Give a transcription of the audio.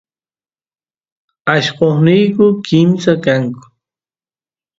allqosniyku kimsa kanku